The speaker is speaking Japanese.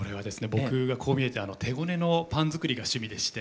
僕がこう見えて手ごねのパン作りが趣味でして。